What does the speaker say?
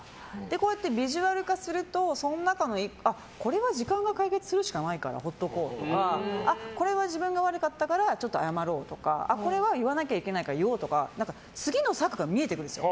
こうやってビジュアル化するとその中の１個にこれは時間が解決するしかないから放っておこうとかこれは自分が悪かったからちょっと謝ろうとかこれは言わなきゃいけないから言おうとか次の策が見えてくるんですよ